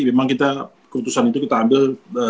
memang kita keputusan itu kita ambil